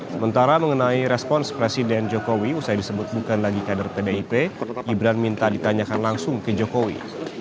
sementara mengenai respons presiden jokowi usai disebut bukan lagi kader pdip gibran minta ditanyakan langsung ke jokowi